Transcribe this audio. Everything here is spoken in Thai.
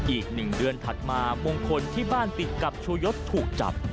อีก๑เดือนถัดมามงคลที่บ้านติดกับชูยศถูกจับ